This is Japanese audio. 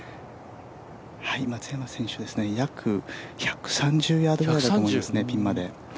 松山選手、ピンまで約１３０ヤードぐらいだと思いますね。